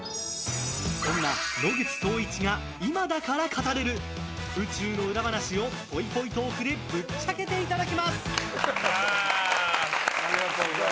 そんな野口聡一が今だから語れる宇宙の裏話をぽいぽいトークでぶっちゃけていただきます。